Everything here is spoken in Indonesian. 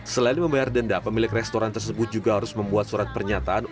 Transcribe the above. selain membayar denda pemilik restoran tersebut juga harus membuat surat pernyataan